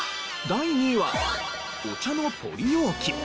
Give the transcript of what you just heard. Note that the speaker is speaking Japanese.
第２位はお茶のポリ容器。